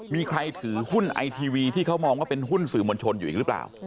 มีใครถือหุ้นไอทีวีที่เขามองว่าเป็นหุ้นสื่อมวลชนอยู่อีกหรือเปล่า